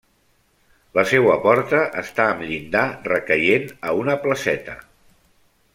La seua porta està amb llindar, recaient a una placeta.